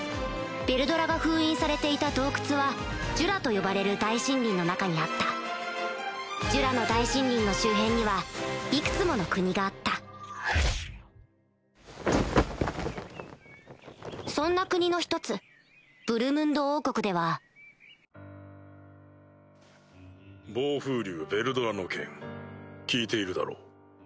ヴェルドラが封印されていた洞窟はジュラと呼ばれる大森林の中にあったジュラの大森林の周辺にはいくつもの国があったそんな国の１つブルムンド王国では暴風竜ヴェルドラの件聞いているだろう？